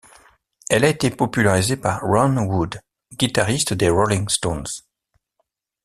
Elle a été popularisée par Ron Wood, guitariste des Rolling Stones.